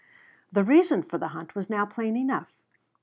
The reason for the hunt was now plain enough.